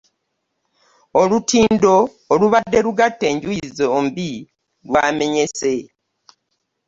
Olutindo olubadde lugatta enjuyi zombi lwamenyese.